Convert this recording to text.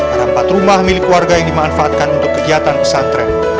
ada empat rumah milik warga yang dimanfaatkan untuk kegiatan pesantren